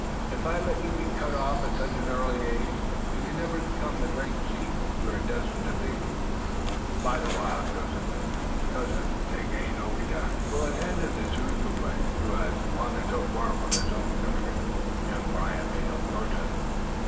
If I let you be cut off at such an early age you can never become the great chief you are destined to be. Bide a while, Joseph, and your cousin, Daganoweda, will attend to this Ojibway who has wandered so far from his own country." Young Brant made no protest.